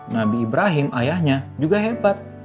nabi ibrahim ayahnya juga hebat